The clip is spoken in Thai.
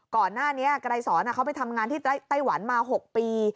ก่อนหน้านี้ไกรสอนเขาไปทำงานที่ไต้หวันมา๖ปี